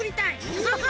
ンハハハ。